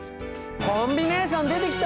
コンビネーション出てきた！